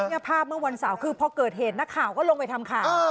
นี่ภาพเมื่อวันเสาร์คือพอเกิดเหตุนักข่าวก็ลงไปทำข่าว